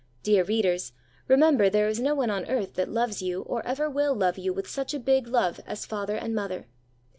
Dear readers, remember there is no one on earth that loves you, or ever will love you with such a big love as father and mother.